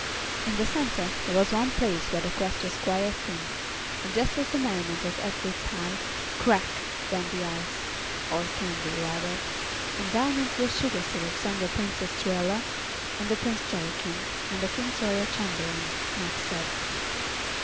In the center there was one place where the crust was quite thin, and just as the merriment was at its height, crack! went the ice or candy, rather and down into the sugar syrup sank the Princess Truella, and the Prince Jollikin, and the King's royal chamberlain, Nuphsed.